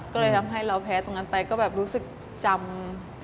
ก็เลยทำให้เราแพ้ตรงนั้นไปก็แบบรู้สึกจำ